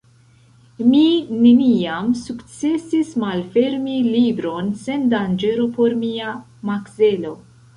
Mi neniam sukcesis malfermi libron sen danĝero por mia makzelo.